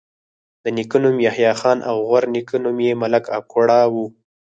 د نیکه نوم یحيی خان او د غورنیکه نوم یې ملک اکوړه وو